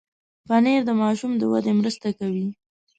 پنېر د ماشوم د ودې مرسته کوي.